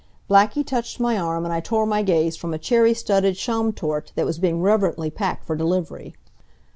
Blackie touched my arm, and I tore my gaze from a cherry studded Schaumtorte that was being reverently packed for delivery.